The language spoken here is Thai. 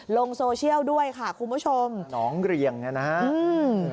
ลงโซเชียลด้วยค่ะคุณผู้ชมน้องเรียงเนี้ยนะฮะอืม